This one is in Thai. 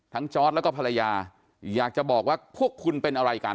จอร์ดแล้วก็ภรรยาอยากจะบอกว่าพวกคุณเป็นอะไรกัน